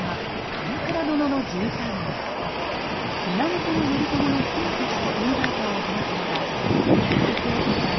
源頼朝の妻として存在感を放つのが小池栄子さん